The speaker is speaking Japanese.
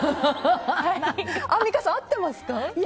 アンミカさん、合ってますか？